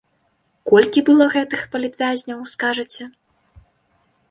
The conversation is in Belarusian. Колькі было гэтых палітвязняў, скажыце?